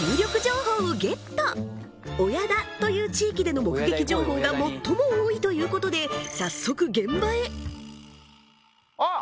親田という地域での目撃情報が最も多いということで早速現場へあっ！